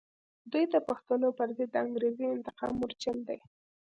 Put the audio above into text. دوی د پښتنو پر ضد د انګریزي انتقام مورچل دی.